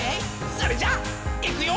それじゃいくよ」